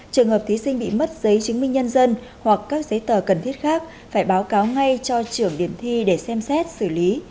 trường hợp thí sinh bị mất giấy chứng minh nhân dân hoặc các giấy tờ cần thiết khác phải báo cáo ngay cho trưởng điểm thi để xem xét xử lý